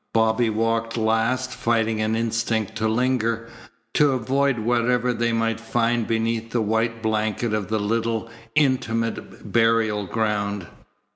Bobby walked last, fighting an instinct to linger, to avoid whatever they might find beneath the white blanket of the little, intimate burial ground.